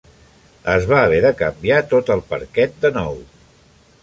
Es va haver de canviar tot el parquet de nou.